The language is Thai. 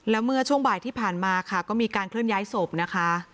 แล้วเมื่อช่วงบ่ายที่ผ่านมาค่ะก็มีการเคลื่อนย้ายศพนะคะ